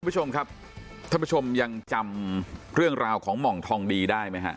คุณผู้ชมครับท่านผู้ชมยังจำเรื่องราวของหม่องทองดีได้ไหมฮะ